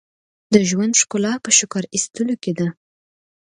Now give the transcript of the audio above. • د ژوند ښکلا په شکر ایستلو کې ده.